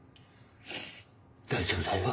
大丈夫だよ。